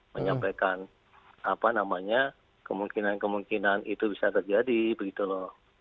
menyampaikan apa namanya kemungkinan kemungkinan itu bisa terjadi begitu loh